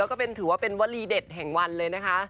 แล้วก็ถือว่าเป็นวลีเด็ดแห่งวันเลยนะคะ